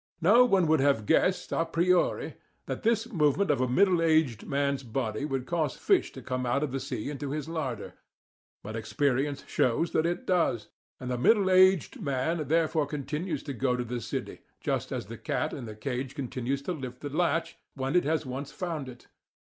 No one would have guessed a priori that this movement of a middle aged man's body would cause fish to come out of the sea into his larder, but experience shows that it does, and the middle aged man therefore continues to go to the City, just as the cat in the cage continues to lift the latch when it has once found it.